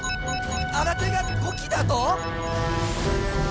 新手が５機だと！？